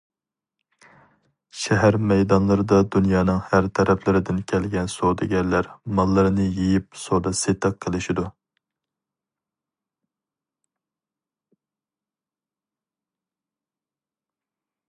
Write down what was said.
شەھەر مەيدانلىرىدا دۇنيانىڭ ھەر تەرەپلىرىدىن كەلگەن سودىگەرلەر ماللىرىنى يېيىپ سودا سېتىق قىلىشىدۇ.